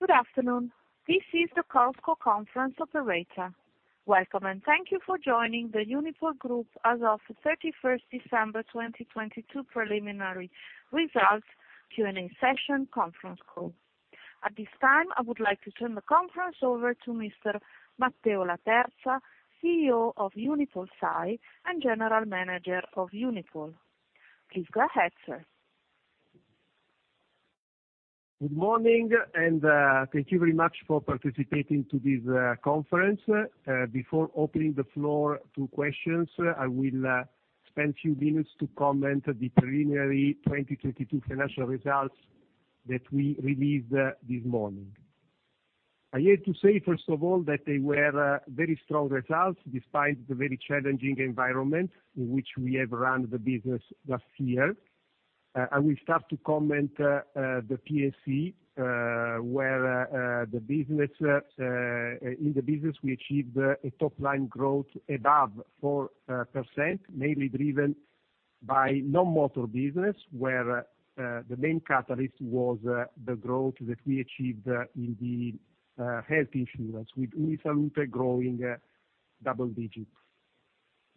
Good afternoon. This is the Chorus Call conference operator. Welcome, and thank you for joining the Unipol Group as of December 31st, 2022 preliminary results Q&A session conference call. At this time, I would like to turn the conference over to Mr. Matteo Laterza, CEO of UnipolSai and General Manager of Unipol. Please go ahead, sir. Good morning, and thank you very much for participating to this conference. Before opening the floor to questions, I will spend a few minutes to comment the preliminary 2022 financial results that we released this morning. I have to say, first of all, that they were very strong results despite the very challenging environment in which we have run the business last year. I will start to comment the PSE, where the business we achieved a top line growth above 4%, mainly driven by non-motor business, where the main catalyst was the growth that we achieved in the health insurance with UniSalute growing double digits.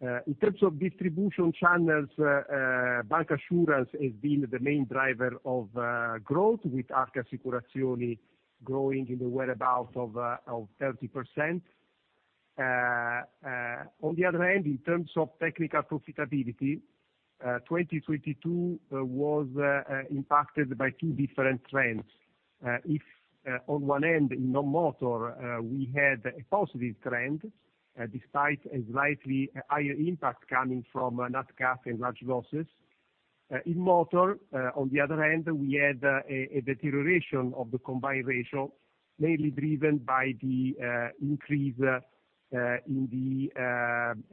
In terms of distribution channels, bancassurance has been the main driver of growth with Arca Assicurazioni growing in the whereabouts of 30%. On the other hand, in terms of technical profitability, 2022 was impacted by two different trends. If on one end in non-motor, we had a positive trend, despite a slightly higher impact coming from Nat Cat and large losses. In motor, on the other hand, we had a deterioration of the combined ratio, mainly driven by the increase in the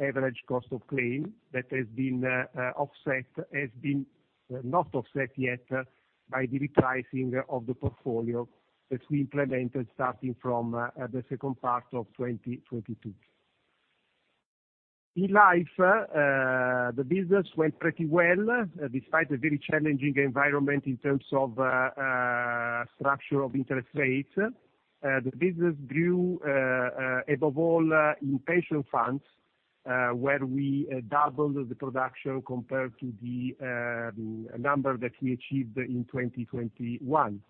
average cost of claim that has been offset Has been not offset yet by the repricing of the portfolio that we implemented starting from the second part of 2022. In life, the business went pretty well, despite a very challenging environment in terms of structure of interest rates. The business grew above all in pension funds, where we doubled the production compared to the number that we achieved in 2021.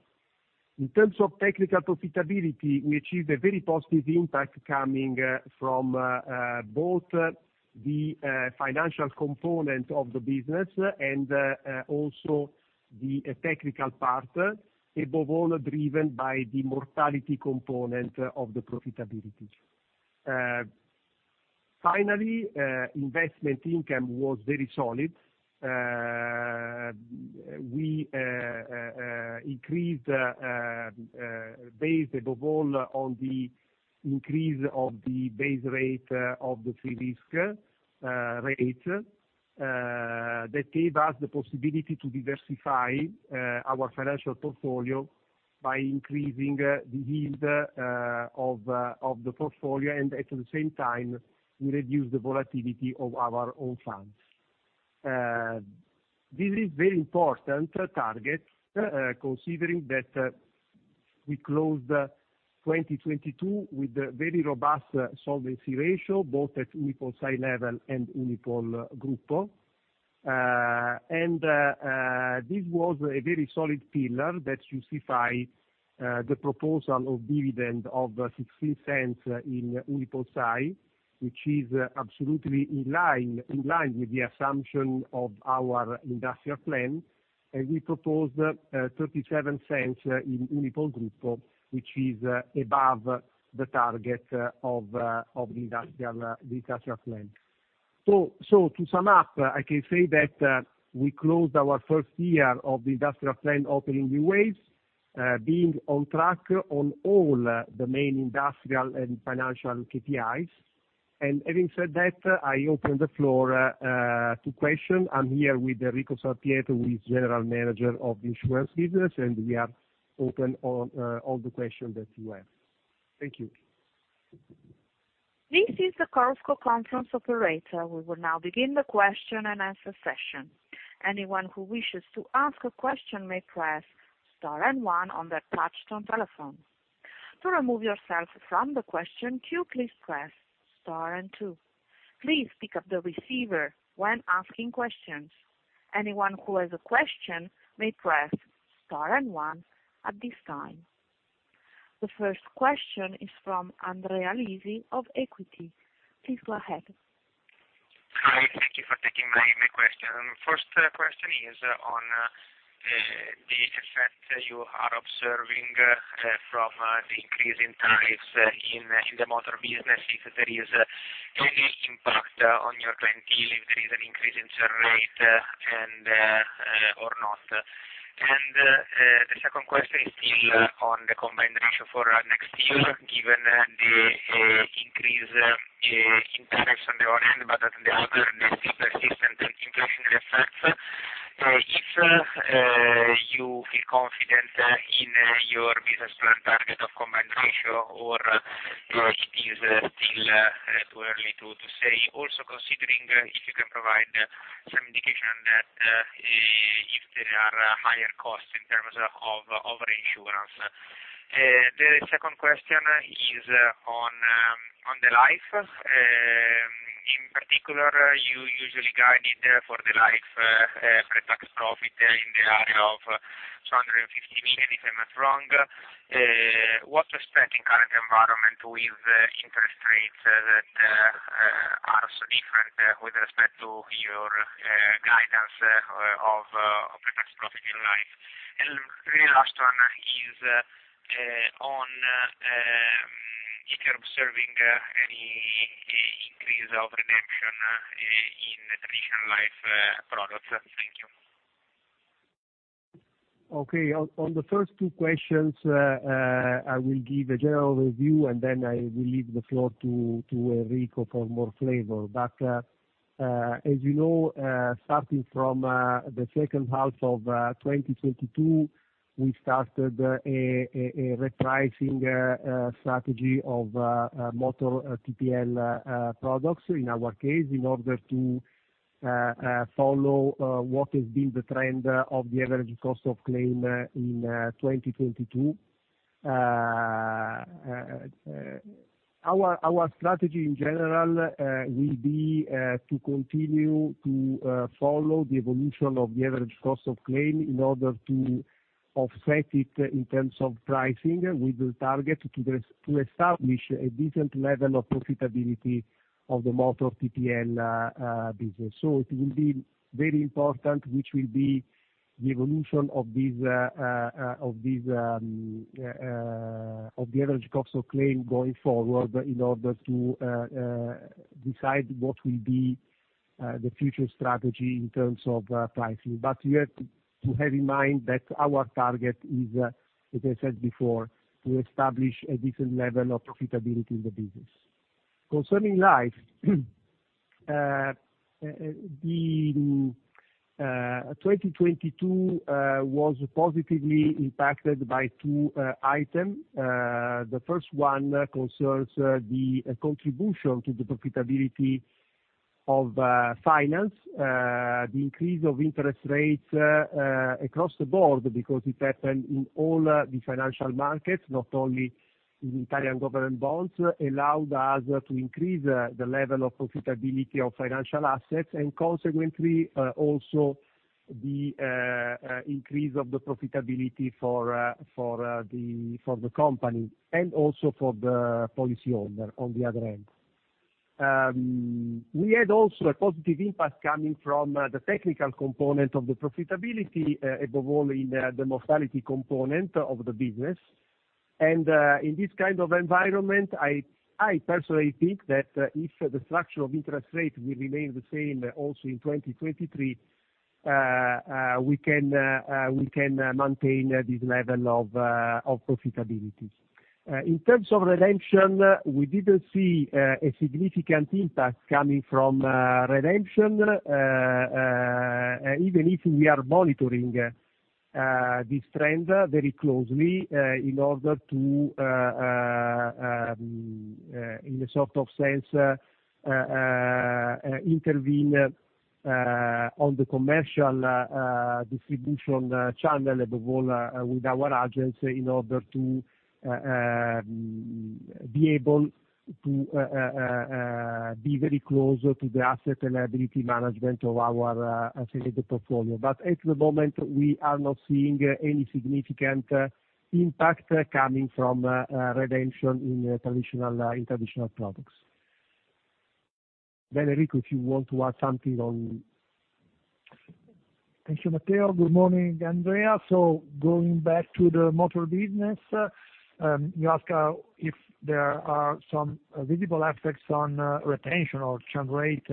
In terms of technical profitability, we achieved a very positive impact coming from both the financial component of the business and also the technical part above all driven by the mortality component of the profitability. Finally, investment income was very solid. We increased, based above all on the increase of the base rate of the free risk rate, that gave us the possibility to diversify our financial portfolio by increasing the yield of the portfolio, and at the same time, we reduce the volatility of our own funds. This is very important target, considering that we closed 2022 with a very robust solvency ratio, both at UnipolSai level and Unipol Gruppo. This was a very solid pillar that justifies the proposal of dividend of 0.16 in UnipolSai, which is absolutely in line with the assumption of our industrial plan. We propose 0.37 in Unipol Gruppo, which is above the target of the industrial plan. To sum up, I can say that we closed our first year of the industrial plan Opening New Ways, being on track on all the main industrial and financial KPIs. Having said that, I open the floor to question. I'm here with Enrico San Pietro, who is General Manager of the insurance business, and we are open on all the questions that you have. Thank you. This is the Chorus Call conference operator. We will now begin the question-and-answer session. Anyone who wishes to ask a question may press star and one on their touchtone telephones. To remove yourself from the question queue, please press star and two. Please pick up the receiver when asking questions. Anyone who has a question may press star and one at this time. The first question is from Andrea Lisi of Equita. Please go ahead. Hi, thank you for taking my question. First question is on the effect you are observing from the increase in tariffs in the motor business, if there is any impact on your clientele, if there is an increase in turn rate or not. The second question is still on the combined ratio for next year, given the increase in tariffs on the one hand, but on the other, if you feel confident in your business plan target of combined ratio or if it is still too early to say, also considering if you can provide some indication that if there are higher costs in terms of reinsurance. The second question is on the life. In particular, you usually guide it for the life pre-tax profit in the area of 250 million, if I'm not wrong. What to expect in current environment with interest rates that are so different with respect to your guidance of pre-tax profit in life? The last one is on if you're observing any increase of redemption in traditional life products. Thank you. Okay. On the first two questions, I will give a general review, and then I will leave the floor to Enrico for more flavor. As you know, starting from the second half of 2022, we started a repricing strategy of motor TPL products in our case in order to follow what has been the trend of the average cost of claim in 2022. Our strategy in general will be to continue to follow the evolution of the average cost of claim in order to offset it in terms of pricing. We will target to establish a decent level of profitability of the motor TPL business. It will be very important, which will be the evolution of these of these of the average cost of claim going forward in order to decide what will be the future strategy in terms of pricing. You have to have in mind that our target is, as I said before, to establish a different level of profitability in the business. Concerning life, the 2022 was positively impacted by two item. The first one concerns the contribution to the profitability of finance. The increase of interest rates across the board because it happened in all the financial markets, not only in Italian government bonds, allowed us to increase the level of profitability of financial assets and consequently also the increase of the profitability for for the company and also for the policyholder on the other end. We had also a positive impact coming from the technical component of the profitability above all in the mortality component of the business. In this kind of environment, I personally think that if the structure of interest rate will remain the same also in 2023, we can maintain this level of profitability. In terms of redemption, we didn't see a significant impact coming from redemption, even if we are monitoring this trend very closely, in order to in a sort of sense, intervene on the commercial distribution channel, above all, with our agents in order to be able to be very close to the asset and liability management of our portfolio. At the moment, we are not seeing any significant impact coming from redemption in traditional products. Enrico, if you want to add something on? Thank you, Matteo. Good morning, Andrea. Going back to the motor business, you ask if there are some visible aspects on retention or churn rate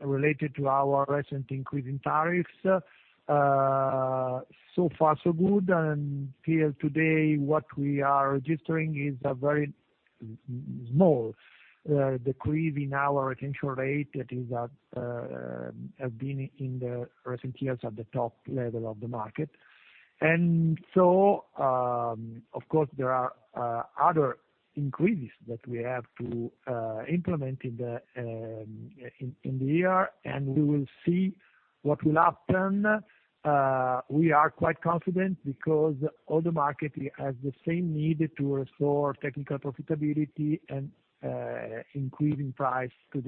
related to our recent increase in tariffs. So far so good. Till today, what we are registering is a very small decrease in our retention rate that is at, have been in the recent years at the top level of the market. Of course, there are other increases that we have to implement in the year, and we will see what will happen. We are quite confident because all the market has the same need to restore technical profitability and increasing price to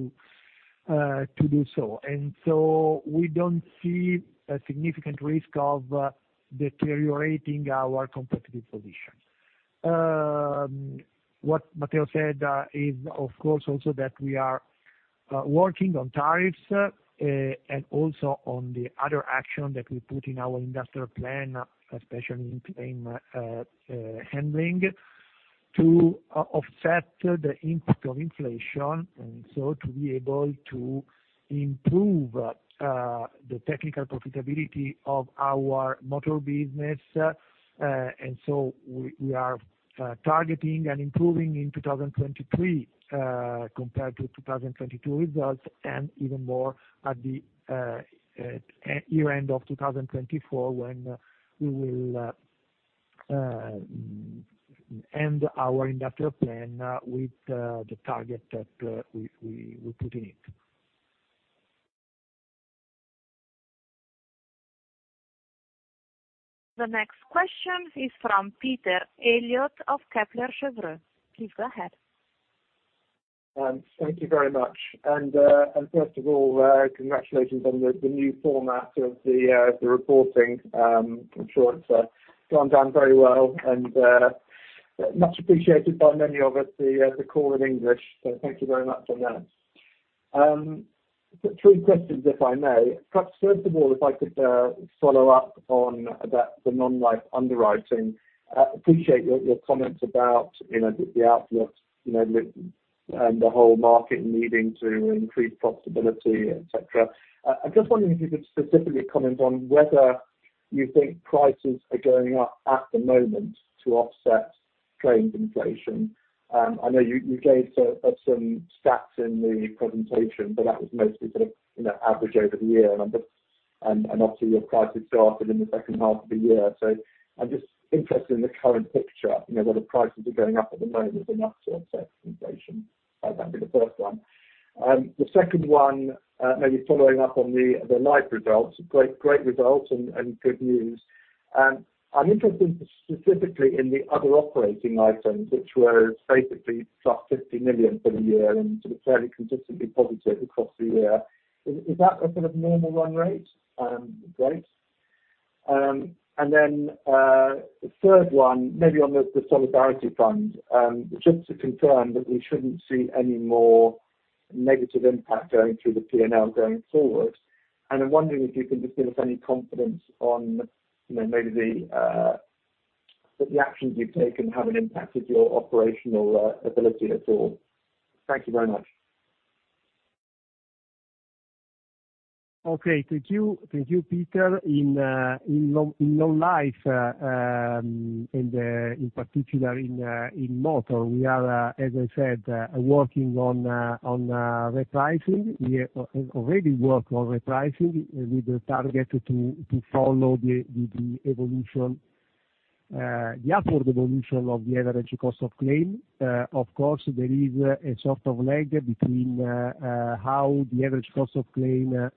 do so. We don't see a significant risk of deteriorating our competitive position. What Matteo said is of course, also that we are working on tariffs and also on the other action that we put in our industrial plan, especially in claim handling, to offset the input of inflation. So to be able to improve the technical profitability of our motor business, and so we are targeting and improving in 2023 compared to 2022 results and even more at the year end of 2024, when we will, our industrial plan with, the target that, we put in it. The next question is from Peter Eliottof Kepler Cheuvreux. Please go ahead. Thank you very much. First of all, congratulations on the new format of the reporting. I'm sure it's gone down very well, and much appreciated by many of us, the call in English. Thank you very much on that. Three questions if I may. Perhaps first of all, if I could follow up on about the non-life underwriting. Appreciate your comments about, you know, the outlook, you know, with the whole market needing to increase profitability, et cetera. I'm just wondering if you could specifically comment on whether you think prices are going up at the moment to offset claimed inflation. I know you gave some stats in the presentation, but that was mostly sort of, you know, average over the year. I'm just... Obviously your prices started in the second half of the year. I'm just interested in the current picture, you know, whether prices are going up at the moment enough to offset inflation. That'd be the first one. The second one, maybe following up on the life results. Great results and good news. I'm interested specifically in the other operating items which were basically plus 50 million for the year and sort of fairly consistently positive across the year. Is that a sort of normal run rate? And then, the third one maybe on the Solidarity Fund, just to confirm that we shouldn't see any more negative impact going through the P&L going forward? I'm wondering if you can just give us any confidence on, you know, maybe the, that the actions you've taken haven't impacted your operational, ability at all. Thank you very much. Okay. Thank you. Thank you, Peter. In non-life, and in particular in motor, we are, as I said, working on repricing. We have already worked on repricing with the target to follow the evolution, the upward evolution of the average cost of claim. Of course, there is a sort of lag between how the average cost of claim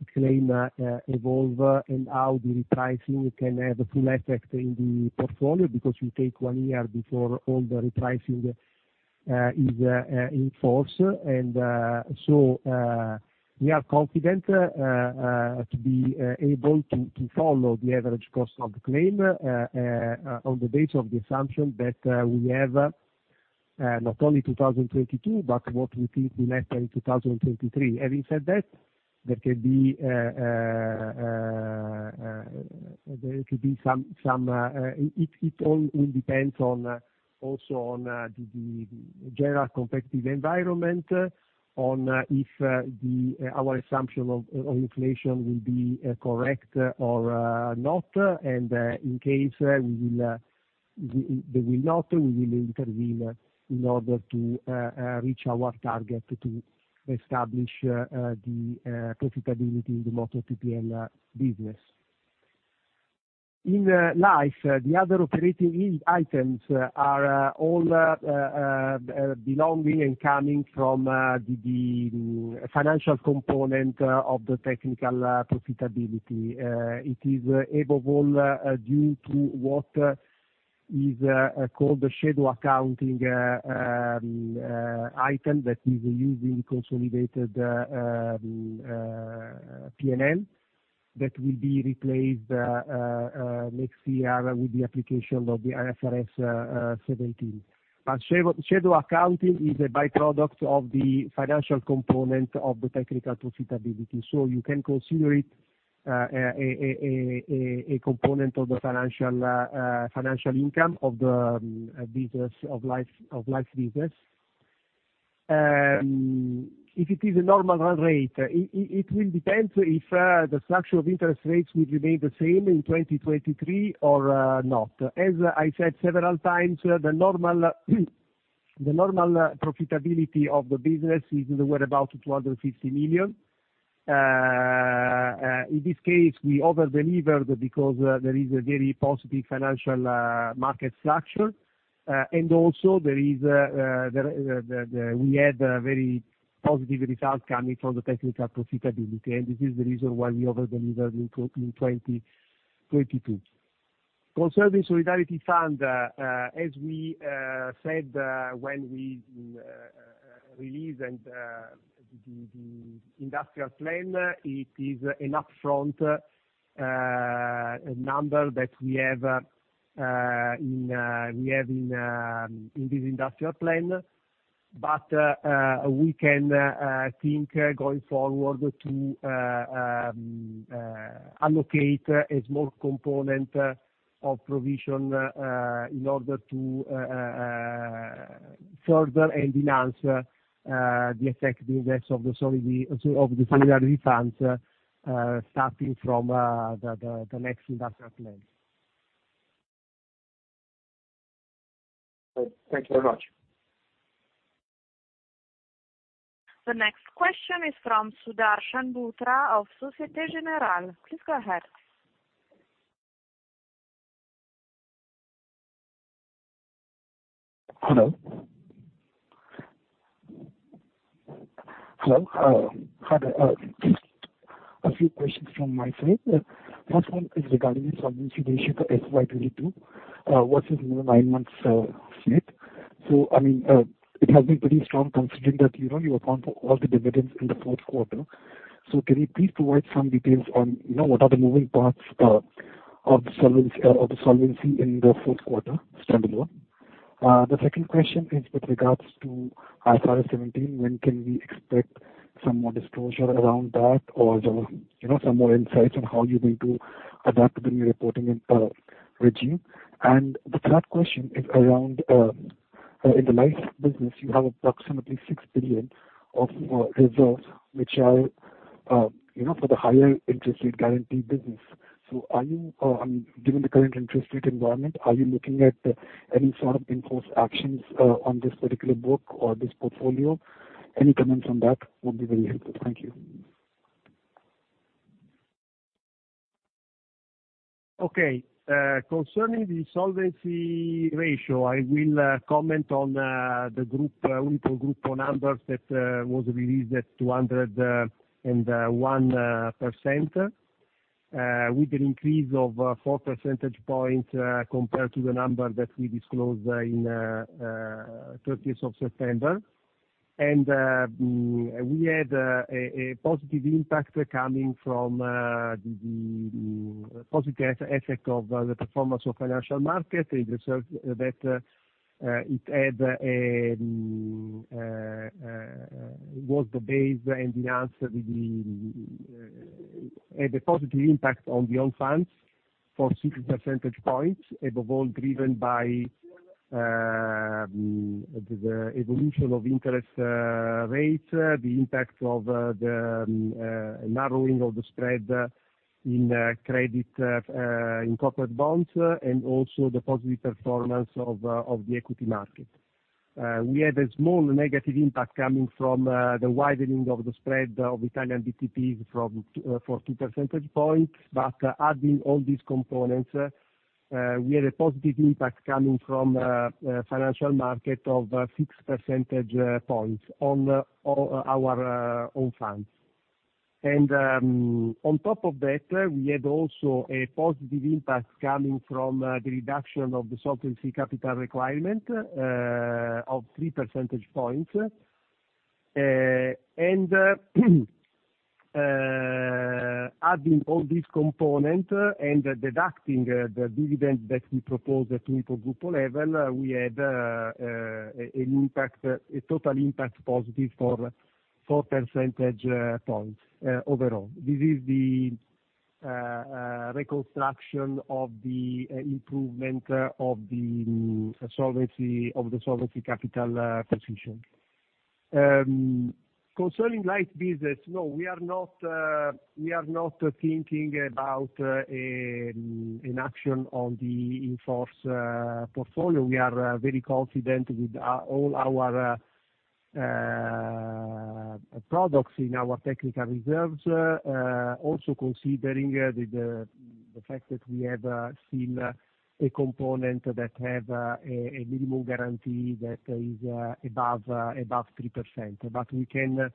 evolve and how the repricing can have a full effect in the portfolio because you take one year before all the repricing is in force. We are confident to be able to follow the average cost of the claim on the base of the assumption that we have not only 2022, but what we think will happen in 2023. Having said that, there could be some, it all will depends on, also on, the general competitive environment, on if the our assumption of inflation will be correct or not. In case we, they will not, we will intervene in order to reach our target to establish the profitability in the motor PPN business. In life, the other operating items are all belonging and coming from the financial component of the technical profitability. It is overall due to what is called the shadow accounting item that is used in consolidated PNL that will be replaced next year with the application of the IFRS 17. Shadow accounting is a by-product of the financial component of the technical profitability, so you can consider it a component of the financial financial income of the business of life, of life business. If it is a normal run rate, it will depend if the structure of interest rates will remain the same in 2023 or not. As I said several times, the normal profitability of the business is we're about 250 million. In this case, we over-delivered because there is a very positive financial market structure. Also there is, we had a very positive result coming from the technical profitability, and this is the reason why we over-delivered in 2022. Concerning Solidarity Fund, as we said, when we release the industrial plan, it is an upfront number that we have in, we have in this industrial plan. But we can going forward to allocate a small component of provision in order to further enhance the effectiveness of the Solidarity Fund, starting from the next industrial plan Thank you very much. The next question is from Sudarshan Bhutra of Société Générale. Please go ahead. Hello? Hello, hi there. A few questions from my side. First one is regarding the solvency ratio for FY 2022 versus normal nine months slate. I mean, it has been pretty strong considering that, you know, you account for all the dividends in the fourth quarter. Can you please provide some details on, you know, what are the moving parts of the solvency in the fourth quarter standalone? The second question is with regards to IFRS 17. When can we expect some more disclosure around that or, you know, some more insights on how you're going to adapt to the new reporting regime. The third question is around in the life business, you have approximately 6 billion of reserves, which are, you know, for the higher interest rate guaranteed business. Are you, given the current interest rate environment, are you looking at any sort of in-force actions on this particular book or this portfolio? Any comments on that would be very helpful. Thank you. Concerning the solvency ratio, I will comment on the group Unipol Gruppo numbers that was released at 201% with an increase of 4 percentage points compared to the number that we disclosed in September 30th. We had a positive impact coming from the positive effect of the performance of financial market. It reserved that it had was the base and enhanced the had a positive impact on the own funds for 6 percentage points, above all driven by the evolution of interest rates, the impact of the narrowing of the spread in credit in corporate bonds, and also the positive performance of the equity market. We had a small negative impact coming from the widening of the spread of Italian BTPs for 2 percentage points. Adding all these components, we had a positive impact coming from financial market of 6 percentage points on our own funds. On top of that, we had also a positive impact coming from the reduction of the solvency capital requirement of 3 percentage points. Adding all this component and deducting the dividend that we propose at Unipol Gruppo level, we had an impact, a total impact positive for 4 percentage points overall. This is the reconstruction of the improvement of the solvency capital position. Concerning life business, no, we are not thinking about an action on the in-force portfolio. We are very confident with all our products in our technical reserves, also considering the fact that we have seen a component that have a minimum guarantee that is above 3%. We can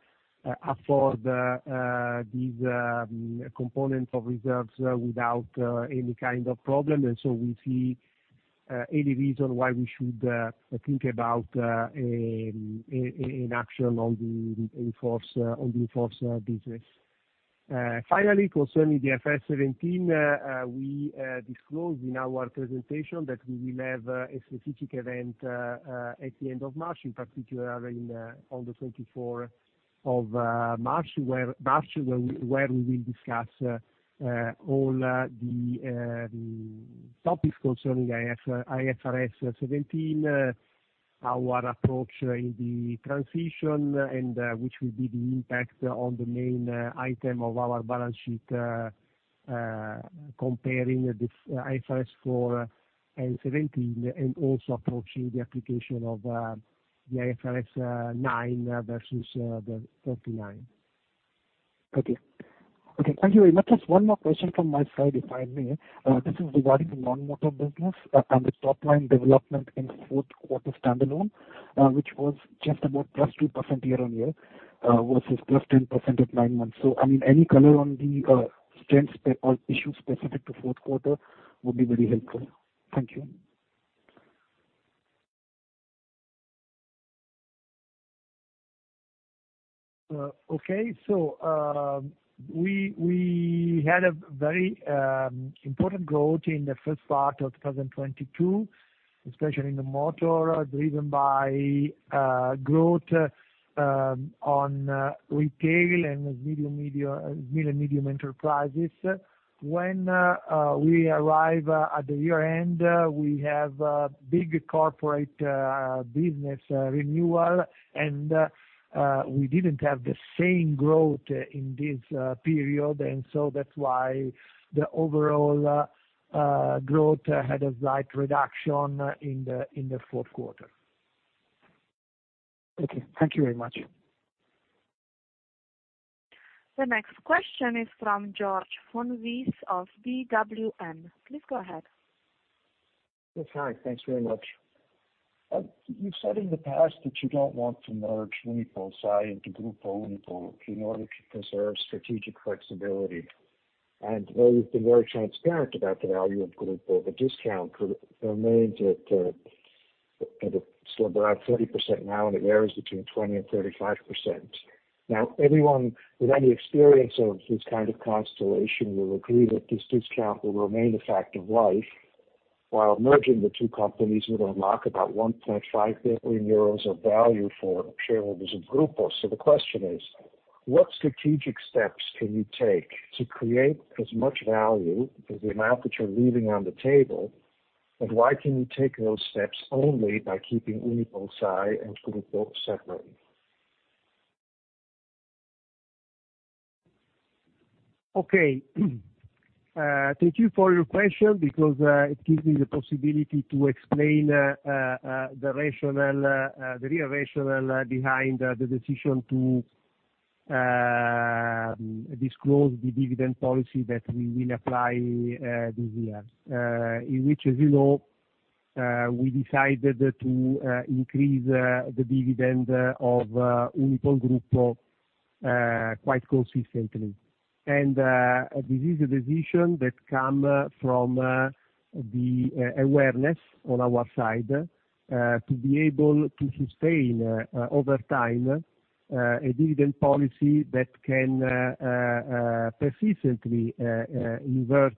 afford these components of reserves without any kind of problem. We see any reason why we should think about an action on the in-force business. Finally, concerning the IFRS 17, we disclosed in our presentation that we will have a specific event at the end of March, in particular on the March 24th, where we will discuss all the topics concerning IFRS 17, our approach in the transition and which will be the impact on the main item of our balance sheet, comparing the IFRS 4 and IFRS 17, and also approaching the application of the IFRS 9 versus the IFRS 39. Okay. Okay, thank you very much. Just one more question from my side, if I may. This is regarding the non-motor business and the top line development in the fourth quarter standalone, which was just about +2% year-on-year, versus +10% at nine months. I mean, any color on the strengths or issues specific to fourth quarter would be very helpful. Thank you. Okay. We had a very important growth in the first part of 2022, especially in the motor, driven by growth on retail and medium, small and medium enterprises. When we arrive at the year-end, we have a big corporate business renewal, and we didn't have the same growth in this period. That's why the overall growth had a slight reduction in the fourth quarter. Okay. Thank you very much. The next question is from Georg von Wyss of BWM. Please go ahead. Yes. Hi. Thanks very much. You've said in the past that you don't want to merge UnipolSai into Gruppo Unipol in order to preserve strategic flexibility. Though you've been very transparent about the value of Gruppo, the discount remains at, it's around 30% now, and it varies between 20% and 35%. Everyone with any experience of this kind of constellation will agree that this discount will remain a fact of life, while merging the two companies would unlock about 1.5 billion euros of value for shareholders of Gruppo. The question is, what strategic steps can you take to create as much value as the amount that you're leaving on the table, and why can you take those steps only by keeping UnipolSai and Unipol Gruppo separately? Okay. Thank you for your question because it gives me the possibility to explain the rationale, the real rationale behind the decision to disclose the dividend policy that we will apply this year. In which, as you know, we decided to increase the dividend of Unipol Gruppo quite consistently. This is a decision that come from the awareness on our side to be able to sustain over time a dividend policy that can persistently invert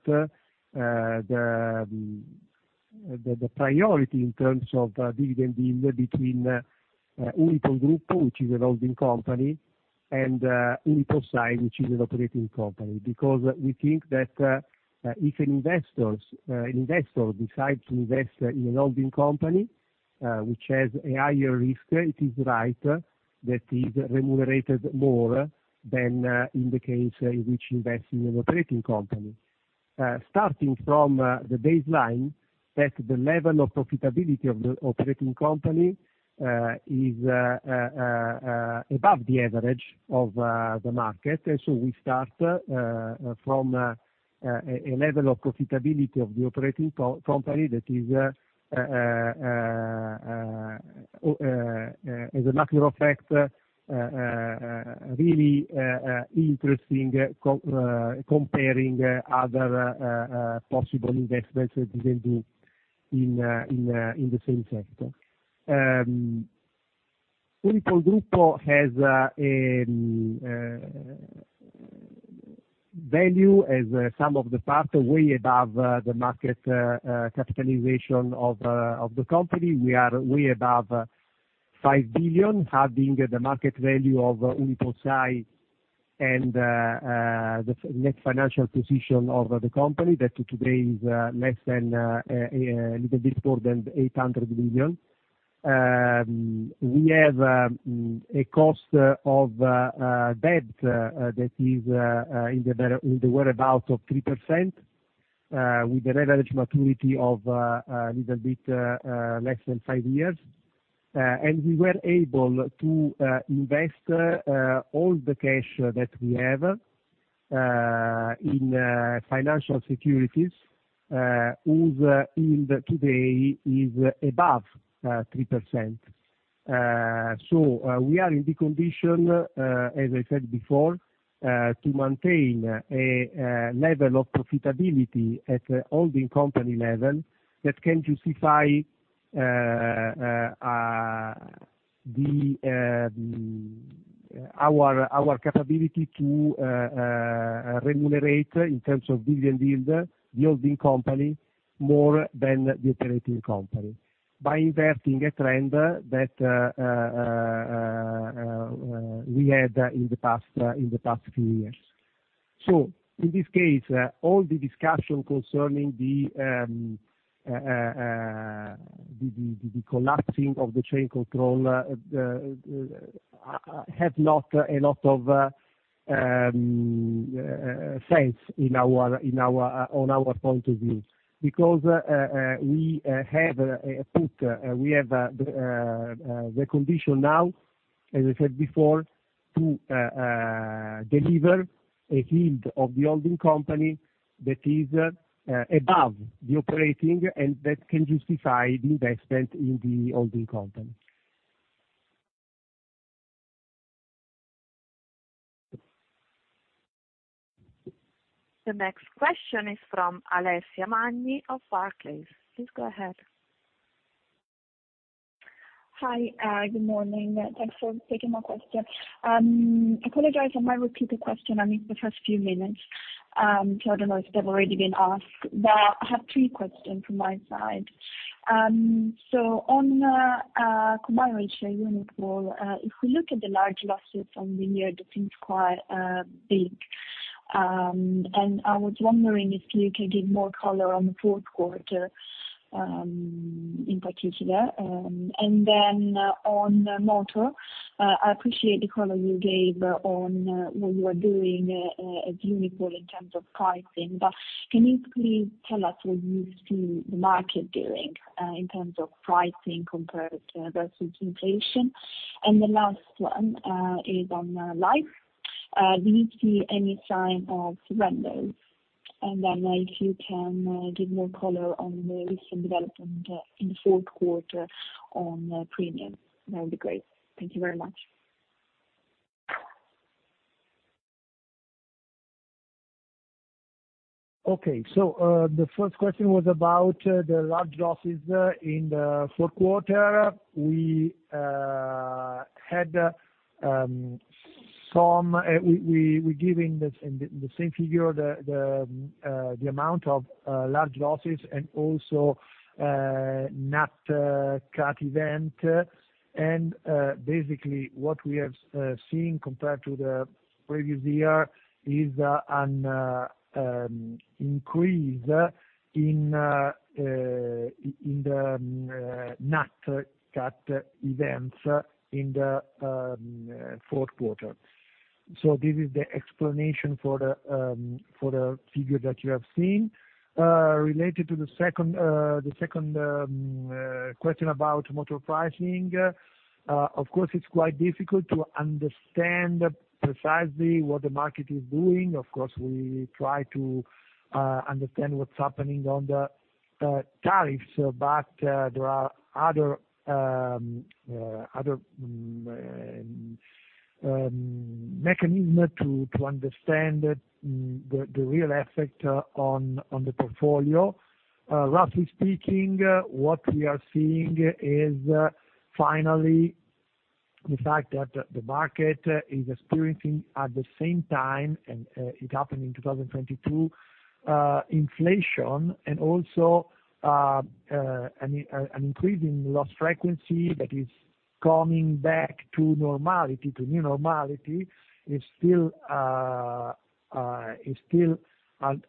the priority in terms of dividend yield between Unipol Gruppo, which is a holding company, and UnipolSai, which is an operating company. We think that if an investor decide to invest in a holding company, which has a higher risk, it is right that he's remunerated more than in the case in which he invests in an operating company. Starting from the baseline that the level of profitability of the operating company is above the average of the market. We start from a level of profitability of the operating company that is as a matter of fact really interesting comparing other possible investments that you can do in in the same sector. Unipol Gruppo has value as a sum of the parts way above the market capitalization of the company. We are way above 5 billion, having the market value of UnipolSai and the net financial position of the company that today is less than a little bit more than 800 million. We have a cost of debt that is in the whereabouts of 3%, with an average maturity of a little bit less than five years. We were able to invest all the cash that we have in financial securities, whose yield today is above 3%. We are in the condition, as I said before, to maintain a level of profitability at a holding company level that can justify our capability to remunerate in terms of dividend yield the holding company more than the operating company by inverting a trend that we had in the past in the past few years. In this case, all the discussion concerning the collapsing of the trade control have not a lot of sense on our point of view. We have the condition now, as I said before, to deliver a yield of the holding company that is above the operating, and that can justify the investment in the holding company. The next question is from Alessia Magni of Barclays. Please go ahead. Hi. Good morning. Thanks for taking my question. I apologize if I repeat a question. I missed the first few minutes, so I don't know if they've already been asked. I have three questions from my side. On combined ratio Unipol, if we look at the large losses from the year, that seems quite big. I was wondering if you could give more color on the fourth quarter in particular. On motor, I appreciate the color you gave on what you are doing at Unipol in terms of pricing. Can you please tell us what you see the market doing in terms of pricing compared to versus inflation? The last one is on Life. Do you see any sign of surrender? If you can give more color on the recent development in the fourth quarter on premium, that would be great. Thank you very much. Okay. The first question was about the large losses in the fourth quarter. We had we give in the same figure the amount of large losses and also net CAT event. Basically, what we have seen compared to the previous year is an increase in the net CAT events in the fourth quarter. This is the explanation for the figure that you have seen. Related to the second question about motor pricing. It's quite difficult to understand precisely what the market is doing. Of course, we try to understand what's happening on the tariffs, but there are other mechanism to understand the real effect on the portfolio. Roughly speaking, what we are seeing is finally the fact that the market is experiencing at the same time, and it happened in 2022, inflation and also an increase in loss frequency that is coming back to normality, to new normality. It's still at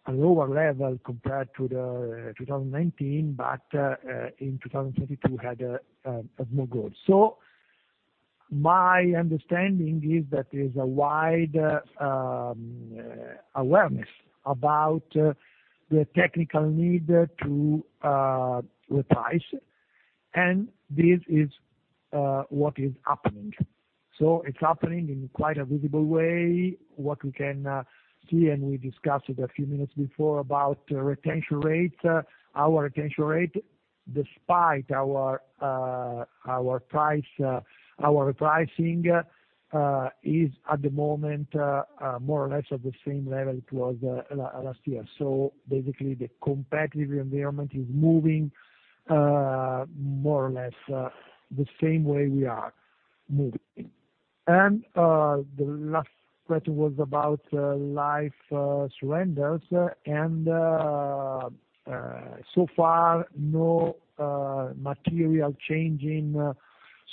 a lower level compared to the 2019, but in 2022 had a more growth. So my understanding is that there's a wide awareness about the technical need to reprice, and this is what is happening. So it's happening in quite a visible way. What we can see. We discussed it a few minutes before about retention rates. Our retention rate, despite our price, our repricing, is at the moment, more or less at the same level it was last year. Basically, the competitive environment is moving, more or less, the same way we are moving. The last question was about life surrenders. So far, no material change in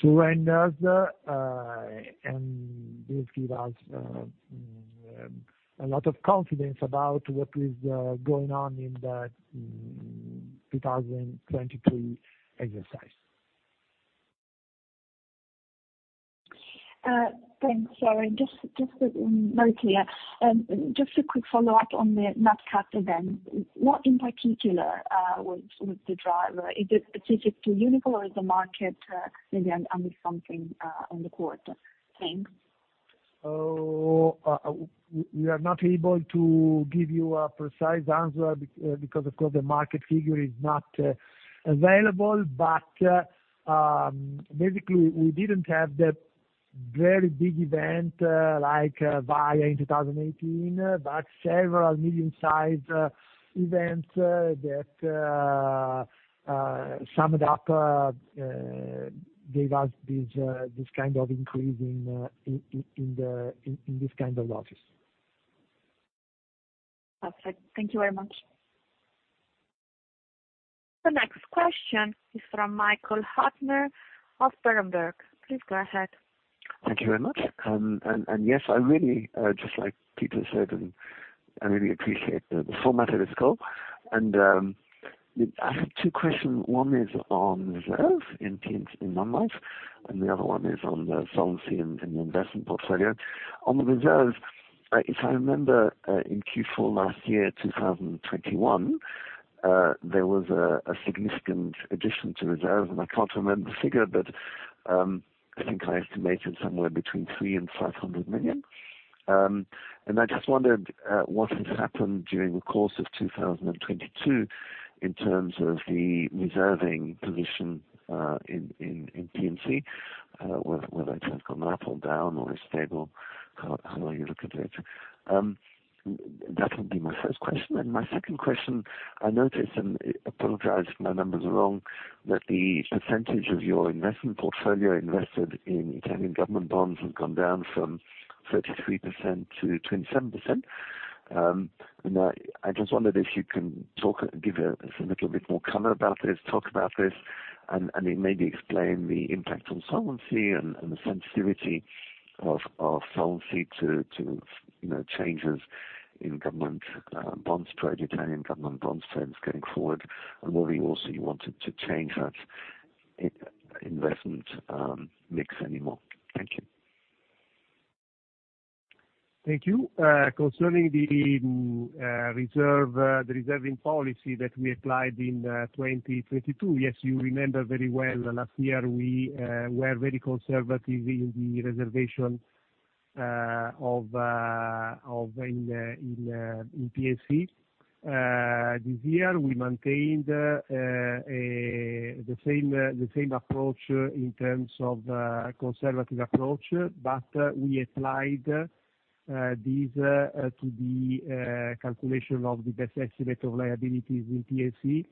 surrenders, and this give us a lot of confidence about what is going on in the 2023 exercise. Thanks. Sorry. Just to... Not clear. Just a quick follow-up on the Nat Cat event. What in particular was the driver? Is it specific to Unipol or is the market seeing an under something on the quarter? Thanks. We are not able to give you a precise answer because of course the market figure is not available. Basically, we didn't have that very big event, like Vaia in 2018, but several medium-sized events that summed up gave us this kind of increase in this kind of losses. Perfect. Thank you very much. The next question is from Michael Huttner of Berenberg. Please go ahead. Thank you very much. Yes, I really just like people said, I really appreciate the format of this call. I have two questions. One is on reserve in P&C, in non-life, and the other one is on the solvency and the investment portfolio. On the reserves, if I remember, in Q4 last year, 2021, there was a significant addition to reserve, I can't remember the figure, but I think I estimated somewhere between 300 million-500 million. I just wondered what has happened during the course of 2022 in terms of the reserving position in P&C, whether it has gone up or down or is stable, how are you looking at it? That would be my first question. My second question, I noticed, and apologize if my numbers are wrong, that the percentage of your investment portfolio invested in Italian government bonds has come down from 33%-27%. I just wondered if you can talk, give us a little bit more color about this, talk about this, and maybe explain the impact on solvency and the sensitivity of solvency to, you know, changes in government bonds trade, Italian government bonds trades going forward, and whether you also wanted to change that in-investment mix anymore. Thank you. Thank you. Concerning the reserve the reserving policy that we applied in 2022, yes, you remember very well last year, we were very conservative in the reservation of in the in P&C. This year we maintained the same approach in terms of conservative approach. We applied these to the calculation of the best estimate of liabilities in P&C.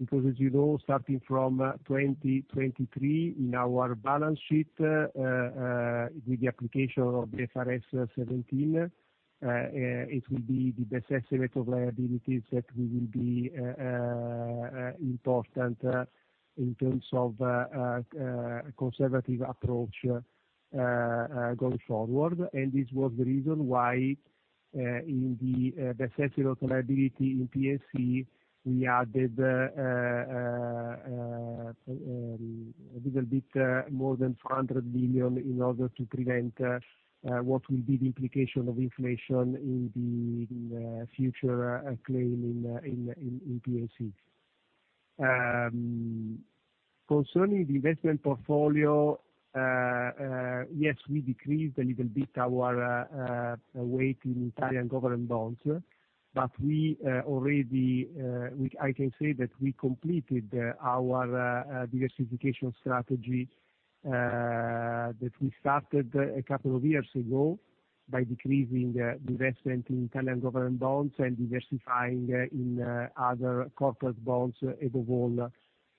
As you know, starting from 2023 in our balance sheet, with the application of the IFRS 17, it will be the best estimate of liabilities that we will be important in terms of conservative approach going forward. This was the reason why in the best estimate of liability in P&C, we added a little bit more than 100 million in order to prevent what will be the implication of inflation in the future claim in P&C. Concerning the investment portfolio, yes, we decreased a little bit our weight in Italian government bonds. We already I can say that we completed our diversification strategy that we started a couple of years ago by decreasing the investment in Italian government bonds and diversifying in other corporate bonds. Above all,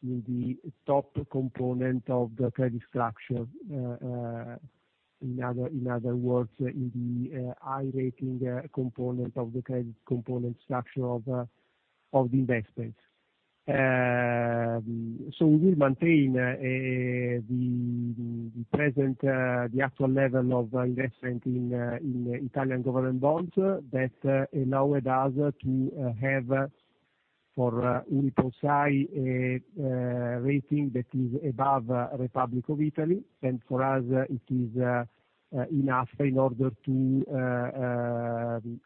in the top component of the credit structure. In other words, in the high rating component of the credit component structure of the investments. We will maintain the actual level of investment in Italian government bonds that enabled us to have for UnipolSai rating that is above Republic of Italy. For us it is enough in order to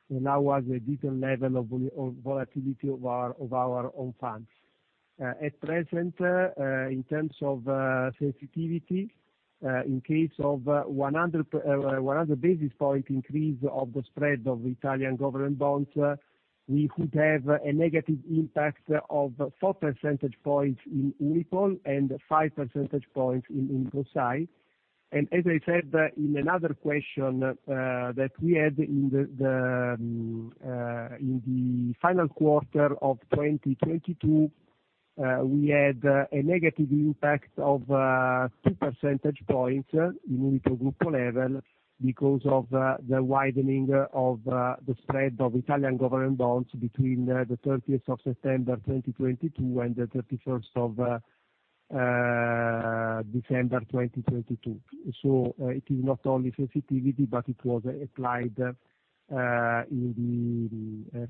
allow us a different level of volatility of our own funds. At present, in terms of sensitivity, in case of 100 basis point increase of the spread of Italian government bonds, we could have a negative impact of 4 percentage points in Unipol and 5 percentage points in UnipolSai. As I said in another question, that we had in the final quarter of 2022, we had a negative impact of 2 percentage points in Unipol Gruppo level because of the widening of the spread of Italian government bonds between the September 30th, 2022 and the December 31st, 2022. It is not only sensitivity, but it was applied in the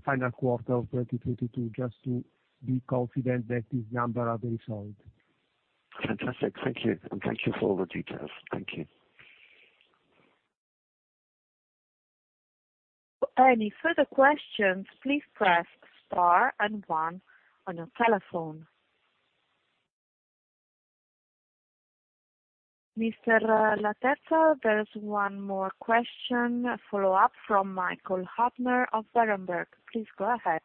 final quarter of 2022 just to be confident that this number are resolved. Fantastic. Thank you. Thank you for all the details. Thank you. Any further questions, please press star and one on your telephone. Mr. Laterza, there's one more question, a follow-up from Michael Huttner of Berenberg. Please go ahead.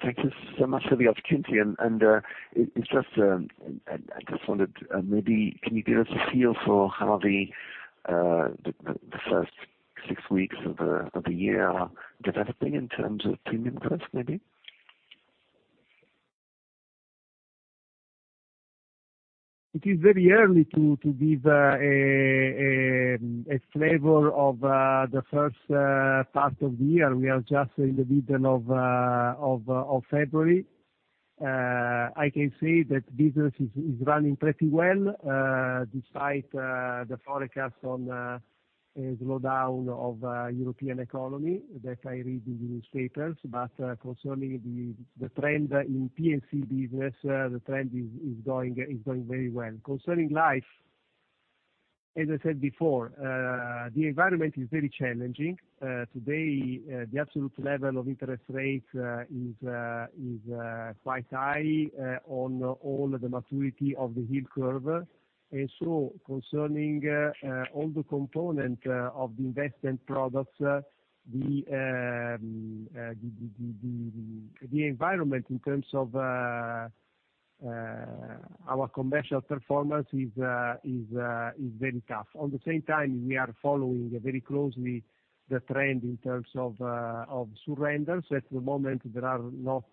Thank you so much for the opportunity. It's just, I just wondered maybe can you give us a feel for how the first six weeks of the year are developing in terms of premium growth, maybe? It is very early to give a flavor of the first part of the year. We are just in the middle of February. I can say that business is running pretty well despite the forecast on a slowdown of European economy that I read in newspapers. Concerning the trend in P&C business, the trend is going very well. Concerning life, as I said before, the environment is very challenging. Today, the absolute level of interest rates is quite high on all the maturity of the yield curve. Concerning all the component of the investment products, the environment in terms of our commercial performance is very tough. On the same time, we are following very closely the trend in terms of surrenders. At the moment, there are not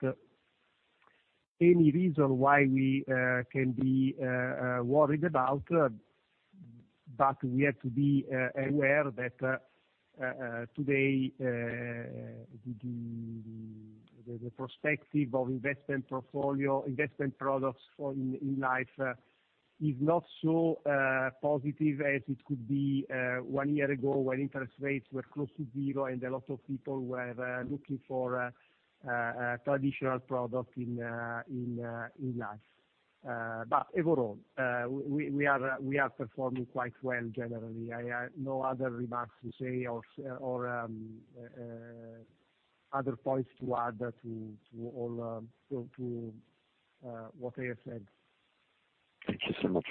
any reason why we can be worried about. We have to be aware that today the prospective of investment products for in life is not so positive as it could be 1 year ago when interest rates were close to 0 and a lot of people were looking for traditional product in life. Overall, we are performing quite well generally. I have no other remarks to say or other points to add to all to what I have said. Thank you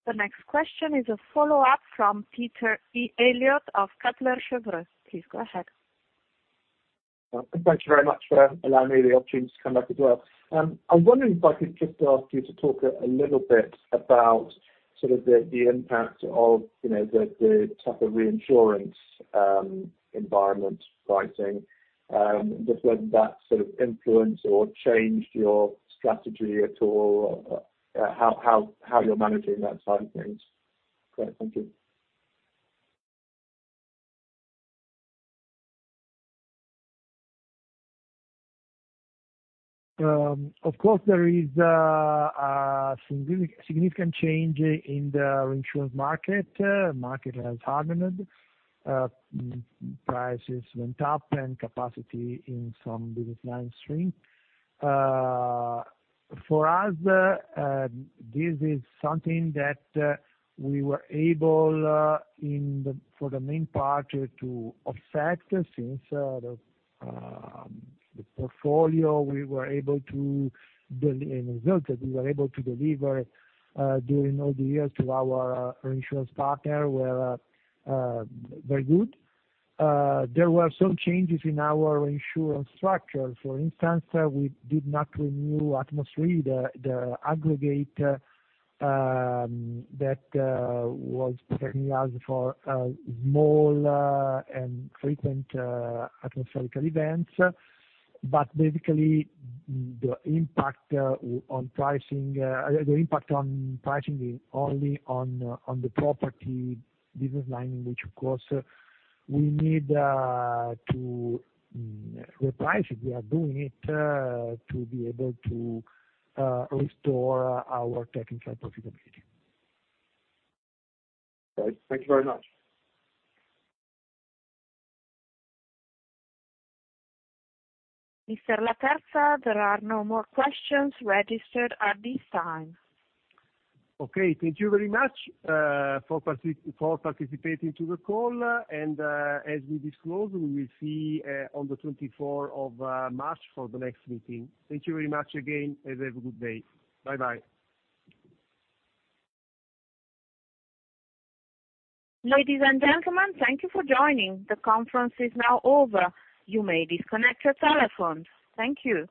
so much. Thank you. The next question is a follow-up from Peter E. Elliott of Kepler Cheuvreux. Please go ahead. Thank you very much for allowing me the opportunity to come back as well. I wonder if I could just ask you to talk a little bit about sort of the impact of, you know, the type of reinsurance, environment pricing, just whether that sort of influenced or changed your strategy at all or how you're managing that side of things? Great. Thank you. Of course, there is a significant change in the reinsurance market. Market has hardened. Prices went up and capacity in some business lines shrink. For us, this is something that we were able in the for the main part to offset since the portfolio we were able to deliver, in result that we were able to deliver, during all the years to our reinsurance partner were very good. There were some changes in our reinsurance structure. For instance, we did not renew atmosphere, the aggregate, that was protecting us for small and frequent atmospherical events. Basically the impact on pricing, the impact on pricing is only on the property business line, which of course we need to reprice it. We are doing it to be able to restore our technical profitability. Great. Thank you very much. Mr. Laterza, there are no more questions registered at this time. Okay. Thank you very much for participating to the call. As we disclose, we will see on the March 24th for the next meeting. Thank you very much again, have a good day. Bye-bye. Ladies and gentlemen, thank you for joining. The conference is now over. You may disconnect your telephones. Thank you.